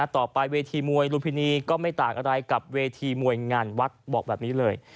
ต่อไปเวทีมวยลุมพินีก็ไม่ต่างอะไรกับเวทีมวยงานวัดบอกแบบนี้เลย